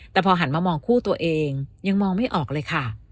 แต่พอหันมามองคู่ตัวเองยังมองไม่ออกเลยค่ะ